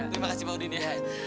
terima kasih pak udin ya